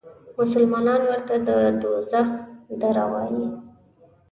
مسلمانان ورته د دوزخ دره وایي.